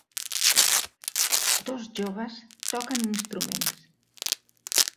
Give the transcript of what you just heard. Dos joves toquen instruments.